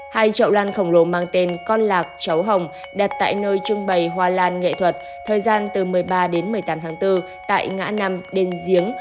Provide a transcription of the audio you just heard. hai chậu lan khổng lồ mang tên con lạc cháu hồng đặt tại nơi trưng bày hoa lan nghệ thuật thời gian từ một mươi ba đến một mươi tám tháng bốn tại ngã năm đền giếng